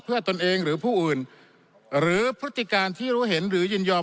เพื่อตนเองหรือผู้อื่นหรือพฤติการที่รู้เห็นหรือยินยอม